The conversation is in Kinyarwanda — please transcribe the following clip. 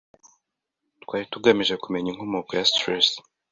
“Twari tugamije kumenya inkomoko ya stress